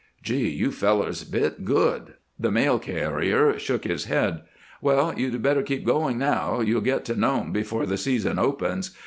"Gee! You fellers bit good." The mail carrier shook his head. "Well! You'd better keep going now; you'll get to Nome before the season opens.